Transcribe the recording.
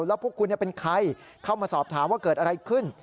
แล้วพวกคุณเป็นใครเข้ามาสอบถามว่าเกิดอะไรขึ้น